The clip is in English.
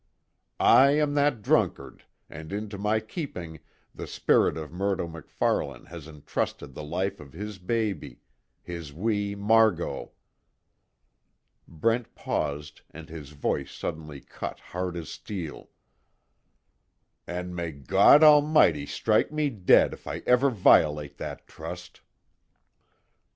I am that drunkard, and into my keeping the spirit of Murdo MacFarlane has entrusted the life of his baby his wee Margot." Brent paused, and his voice suddenly cut hard as steel, "And may God Almighty strike me dead if I ever violate that trust!"